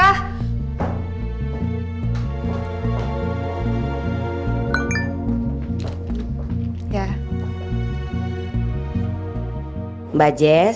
aku mau ke kantor mbak jess